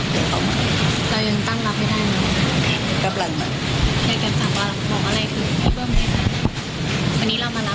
ต้นคุณแม่ติดใจอย่างงี้เหมือนที่ก็เก็บครับว่าทางพวกเราต้องเชื่อแข็งว่าที่